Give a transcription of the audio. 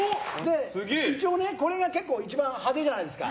一応ね、これが結構一番派手じゃないですか。